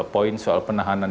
poin soal penahanan